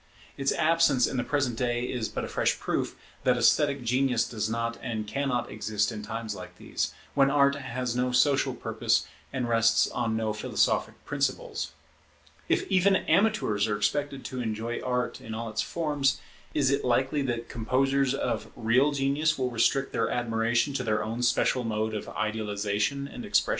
Its absence in the present day is but a fresh proof that esthetic genius does not and cannot exist in times like these, when Art has no social purpose and rests on no philosophic principles. If even amateurs are expected to enjoy Art in all its forms, is it likely that composers of real genius will restrict their admiration to their own special mode of idealization and expression?